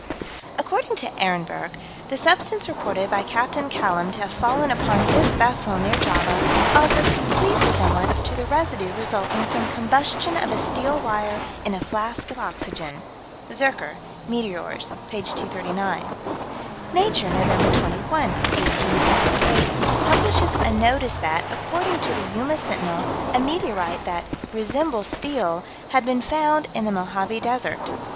According to Ehrenberg, the substance reported by Capt. Callam to have fallen upon his vessel, near Java, "offered complete resemblance to the residue resulting from combustion of a steel wire in a flask of oxygen." (Zurcher, Meteors, p. 239.) Nature, Nov. 21, 1878, publishes a notice that, according to the Yuma Sentinel, a meteorite that "resembles steel" had been found in the Mohave Desert.